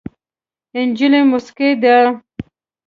نجلۍ موسکۍ ده.